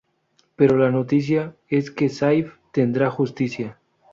Pero la noticia es que Saif tendrá justicia.